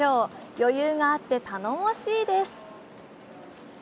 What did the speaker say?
余裕があって頼もしいです。